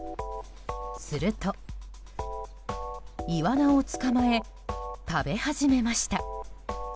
すると、イワナを捕まえ食べ始めました。